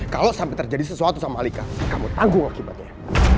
kalau sampai terjadi sesuatu sama alika kamu tanggung akibatnya